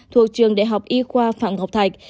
thuộc trường đại học y khoa phạm ngọc thạch